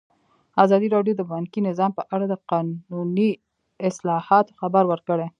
ازادي راډیو د بانکي نظام په اړه د قانوني اصلاحاتو خبر ورکړی.